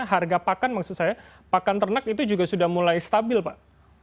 harga pakan maksud saya pakan ternak itu juga sudah mulai stabil pak